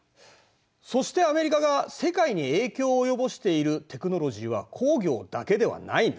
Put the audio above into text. そしてアメリカが世界に影響を及ぼしているテクノロジーは工業だけではないんだ。